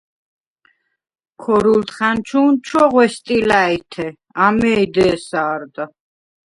ქორულთხა̈ნჩუ̄ნ ჩოღვე სტილა̈ჲთე, ამეი დე̄სა არდა.